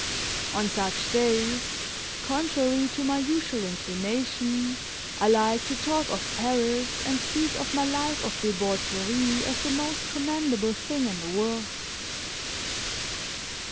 On such days, contrary to my usual inclination, I liked to talk of Paris and speak of my life of debauchery as the most commendable thing in the world.